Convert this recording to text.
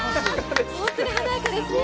本当に華やかですね。